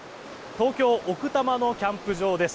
東京・奥多摩のキャンプ場です。